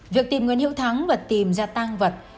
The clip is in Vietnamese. việc tìm nguồn hữu thắng vật tìm gia tăng vật